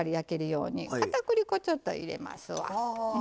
かたくり粉ちょっと入れますわ。